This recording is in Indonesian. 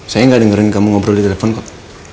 saya nggak dengerin kamu ngobrol di telepon kok